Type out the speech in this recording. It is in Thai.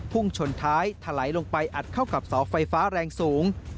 พุ่งชนท้ายถลายลงไปอัดเข้ากับเสาไฟฟ้าแรงสูง